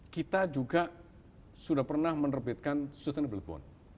kita juga sudah pernah menerbitkan sustainable bond